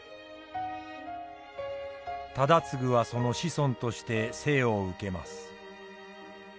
忠次はその子孫として生を受けます。